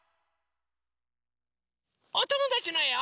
おともだちのえを。